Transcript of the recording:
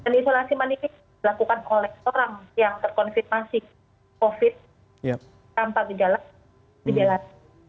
dan isolasi mandiri dilakukan oleh orang yang terkonfirmasi covid tanpa berjalan